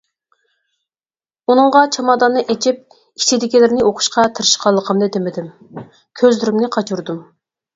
ئۇنىڭغا چاماداننى ئېچىپ ئىچىدىكىلىرىنى ئوقۇشقا تىرىشقانلىقىمنى دېمىدىم، كۆزلىرىمنى قاچۇردۇم.